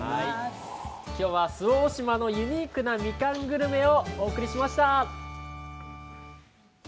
今日は周防大島のユニークなみかんグルメをお送りしました。